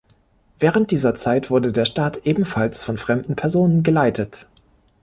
Während dieser Zeit wurde der Staat ebenfalls von fremden Personen geleitet.